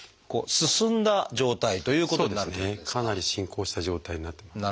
かなり進行した状態になってます。